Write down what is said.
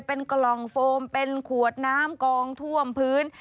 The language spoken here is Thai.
เป็นกล่องโฟมเป็นขวดน้ำกองท่วมพื้น